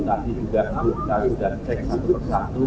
nanti juga kita sudah cek satu persatu